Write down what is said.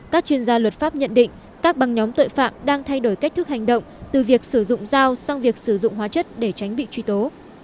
các chuyên gia luật pháp nhận định các băng nhóm tội phạm đang thay đổi cách thức hành động từ việc sử dụng dao sang việc sử dụng hóa chất để tránh bị truy tố